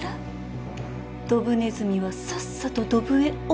ドブネズミはさっさとドブへお帰り。